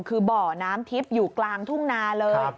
คือบ่อน้ำทิพย์อยู่กลางทุ่งนาเลย